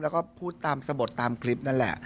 แล้วก็พูดตามสะบดตามคลิปนั่นแหละ